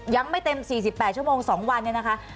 ยังไม่เต็ม๔๘ชั่วโมง๒วันเนี่ยนะคะ